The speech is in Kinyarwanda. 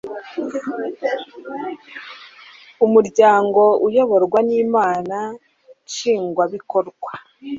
umuryango uyoborwa n inama nshingwabikorwa